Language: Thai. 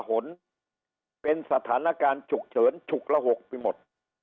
หนเป็นสถานการณ์ฉุกเฉินฉุกระหกไปหมด